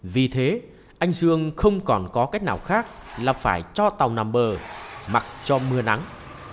vì thế anh sương không còn có cách nào khác là phải cho tàu nằm bờ mặc cho mưa nắng